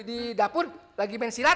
di dapur lagi main silat